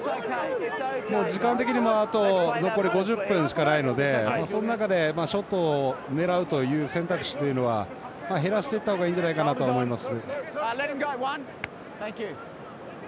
時間的にもあと残り５０分しかないのでその中でショットを狙うという選択肢というのは減らしていった方がいいんじゃないかなと思います。